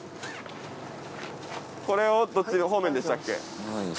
これをどっち方面でしたっけ？